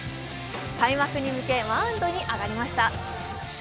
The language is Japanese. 開幕に向けマウンドに上がりました。